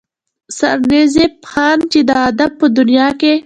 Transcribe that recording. سرنزېب خان چې د ادب پۀ دنيا کښې